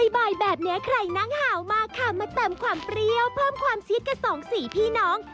บ่ายแบบนี้ใครนั่งหาวมาค่ะมาเติมความเปรี้ยวเพิ่มความซีดกับสองสี่พี่น้อง